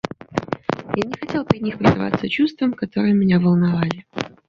Я не хотел при них предаваться чувствам, которые меня волновали.